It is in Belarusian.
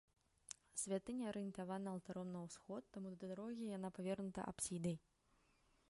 Святыня арыентавана алтаром на ўсход, таму да дарогі яна павернута апсідай.